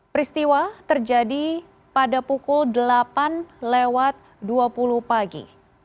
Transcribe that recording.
peristiwa terjadi pada pukul delapan lewat dua puluh pagi